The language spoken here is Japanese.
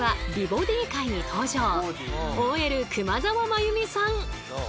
ＯＬ熊沢麻由美さん。